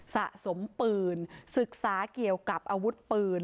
สะสมปืนศึกษาเกี่ยวกับอาวุธปืน